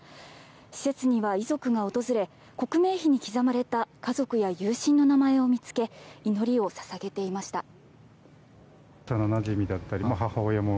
施設には遺族が訪れ刻銘碑に刻まれた家族や友人の名前を見つけ祈りを捧げていました。